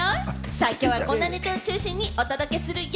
さぁ、きょうはこんなネタを中心にお届けするよ。